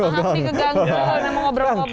maaf ya keganggu udah mau ngobrol ngobrol nih